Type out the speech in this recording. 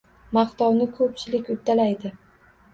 Maqtovni ko‘pchilik uddalaydi.